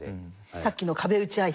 さっきの壁打ち相手。